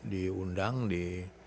di undang di